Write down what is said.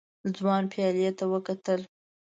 ځوان پيالې ته وکتل.